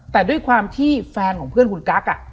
แต่ด้วยความที่แฟนของเพื่อนคุณกั๊ก